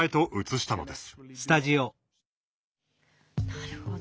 なるほど。